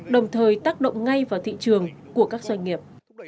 đồng thời tác động ngay vào thị trường của các doanh nghiệp